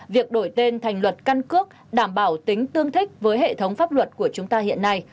việc đổi tên thành luật căn cước đảm bảo tính tương thích với hệ thống pháp luật của chúng ta hiện nay